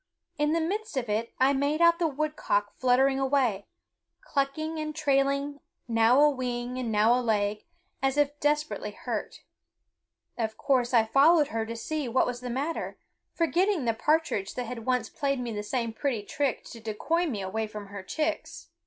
In the midst of it I made out the woodcock fluttering away, clucking, and trailing now a wing and now a leg, as if desperately hurt. Of course I followed her to see what was the matter, forgetting the partridge that had once played me the same pretty trick to decoy me away from her chicks.